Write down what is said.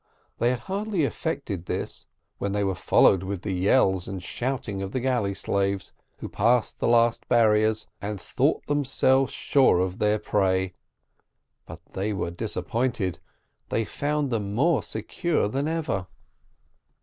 They had hardly effected this, when they were followed with the yells and shoutings of the galley slaves, who had passed the last barriers, and thought themselves sure of their prey: but they were disappointed they found them more secure than ever.